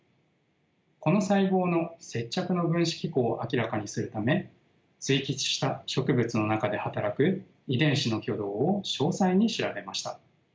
この細胞の接着の分子機構を明らかにするため接ぎ木した植物の中で働く遺伝子の挙動を詳細に調べました。